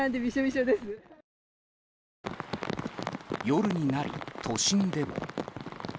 夜になり、都心でも。